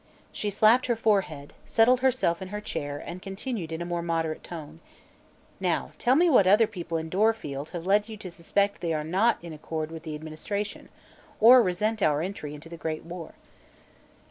She slapped her forehead, settled herself in her chair and continued in a more moderate tone: "Now, tell me what other people in Dorfield have led you to suspect they are not in accord with the administration, or resent our entry into the Great War."